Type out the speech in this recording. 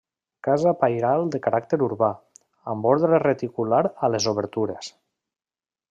Casa pairal de caràcter urbà, amb ordre reticular a les obertures.